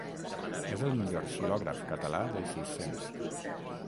És el millor xilògraf català del Sis-cents.